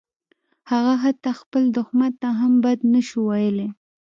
هغه حتی خپل دښمن ته هم بد نشوای ویلای